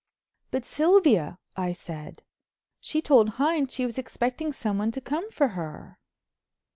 "But Sylvia," I said—"she told Hines she was expecting someone to come for her."